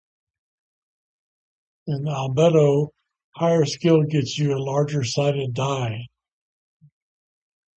In Albedo, higher skill gets you a larger sided die.